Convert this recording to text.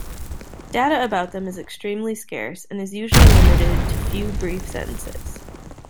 Data about them is extremely scarce and is usually limited to few brief sentences.